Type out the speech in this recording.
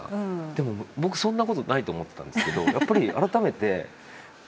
でも僕そんな事ないと思ってたんですけどやっぱり改めて。